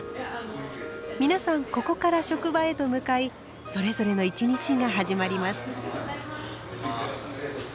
皆さんここから職場へと向かいそれぞれの一日が始まります。